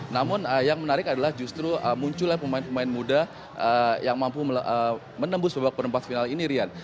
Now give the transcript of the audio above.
namun yang menarik adalah justru muncullah pemain pemain muda yang mampu menembus babak perempat final ini rian